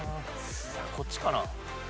こっちかな？